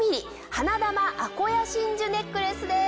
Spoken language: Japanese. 花珠アコヤ真珠ネックレスです。